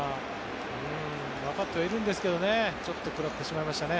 わかってはいるんですけどねちょっと食らってしまいましたね。